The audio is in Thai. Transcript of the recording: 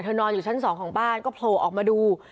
นอนอยู่ชั้น๒ของบ้านก็โผล่ออกมาดู